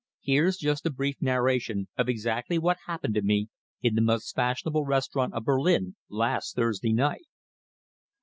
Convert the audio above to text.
Here's just a brief narration of exactly what happened to me in the most fashionable restaurant of Berlin last Thursday night."